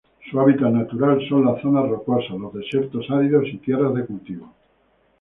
Su hábitat natural son las zonas rocosas, los desiertos áridos, y tierras de cultivo.